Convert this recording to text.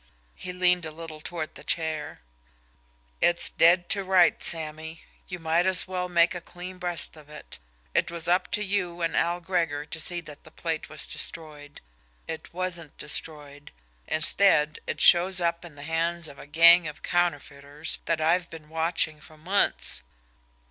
He leaned a little toward the chair. "It's dead to rights, Sammy. You might as well make a clean breast of it. It was up to you and Al Gregor to see that the plate was destroyed. It WASN'T destroyed; instead, it shows up in the hands of a gang of counterfeiters that I've been watching for months.